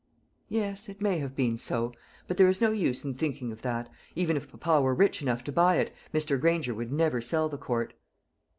"Yes, it may have been so. But there is no use in thinking of that. Even if papa were rich enough to buy it, Mr. Granger would never sell the Court."